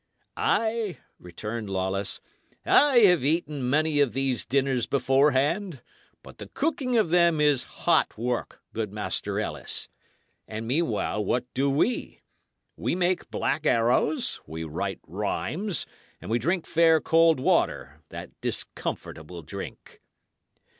"Ay," returned Lawless, "I have eaten many of these dinners beforehand; but the cooking of them is hot work, good Master Ellis. And meanwhile what do we? We make black arrows, we write rhymes, and we drink fair cold water, that discomfortable drink."